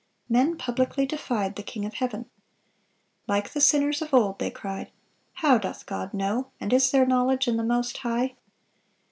Men publicly defied the King of heaven. Like the sinners of old, they cried, "How doth God know? and is there knowledge in the Most High?"